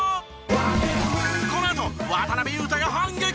このあと渡邊雄太が反撃！